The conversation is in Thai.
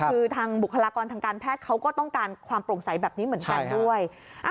คือทางบุคลากรทางการแพทย์เขาก็ต้องการความโปร่งใสแบบนี้เหมือนกันด้วย